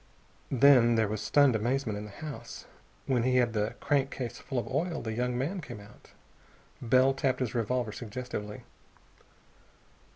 Then there was stunned amazement in the house. When he had the crankcase full of oil the young man came out. Bell tapped his revolver suggestively.